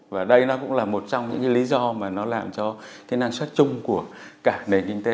và đây cũng là một trong những lý do làm cho năng suất chung của cả nền kinh tế